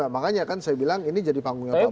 makanya kan saya bilang ini jadi panggungnya pak prabowo